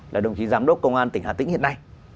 là đồng chí giám đốc công an tỉnh hà tĩnh hiện nay